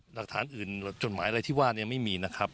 หลักฐานอื่นจดหมายอะไรที่ว่าเนี่ยไม่มีนะครับ